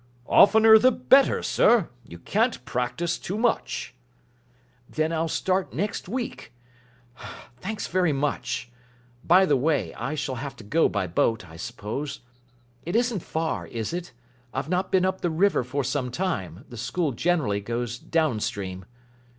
"Oftener the better, sir. You can't practise too much." "Then I'll start next week. Thanks very much. By the way, I shall have to go by boat, I suppose. It isn't far, is it? I've not been up the river for some time. The School generally goes down stream."